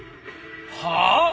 はあ！？